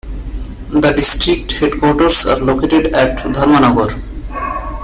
The district headquarters are located at Dharmanagar.